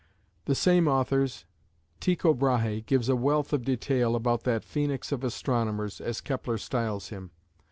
The same author's "Tycho Brahe" gives a wealth of detail about that "Phoenix of Astronomers," as Kepler styles him.